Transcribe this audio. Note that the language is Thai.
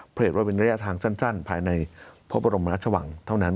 เพราะเหตุว่าเป็นระยะทางสั้นภายในพระบรมภรรชวังเท่านั้น